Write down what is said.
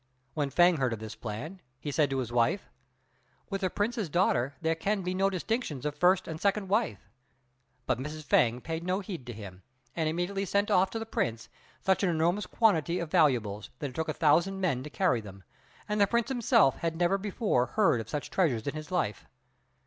When Fêng heard of this plan, he said to his wife, "With a Prince's daughter there can be no distinctions of first and second wife;" but Mrs. Fêng paid no heed to him, and immediately sent off to the Prince such an enormous quantity of valuables that it took a thousand men to carry them, and the Prince himself had never before heard of such treasures in his life.